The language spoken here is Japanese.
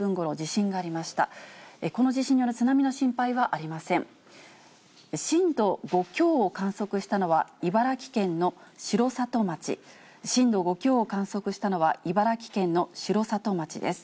震度５強を観測したのは、茨城県の城里町、震度５強を観測したのは茨城県の城里町です。